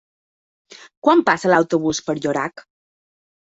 Quan passa l'autobús per Llorac?